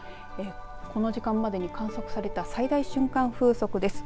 この時間までに観測された最大瞬間風速です。